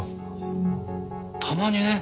たまにね。